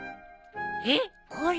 えっこれ？